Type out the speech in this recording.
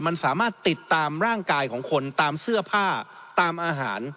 มันสามารถติดตามร่างกายของคนตามเสื้อผ้าตามอาหาร